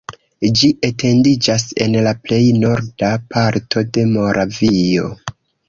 Ĝi etendiĝas en la plej norda parto de Moravio.